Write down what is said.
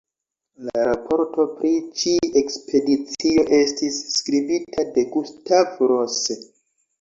La raporto pri ĉi-ekspedicio estis skribita de Gustav Rose.